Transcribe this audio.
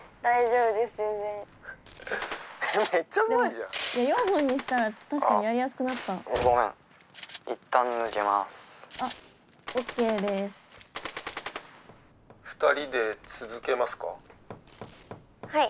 「２人で続けますか？」。